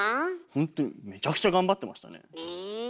ほんとにめちゃくちゃ頑張ってましたね。